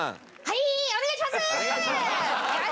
はい。